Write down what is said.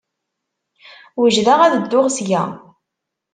Wejdeɣ ad dduɣ seg-a.